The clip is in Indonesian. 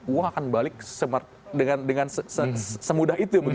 wah akan balik dengan semudah itu